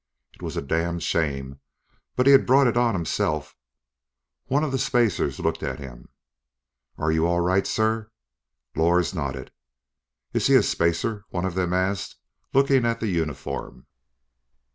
It was a damned shame, but he had brought it on himself. One of the spacers looked at him. "Are you all right, sir?" Lors nodded. "Is he a spacer?" One of them asked, looking at the uniform.